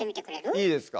いいですか？